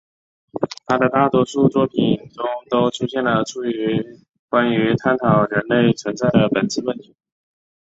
他的大多数作品中都出现了关于探讨人类存在的本质问题。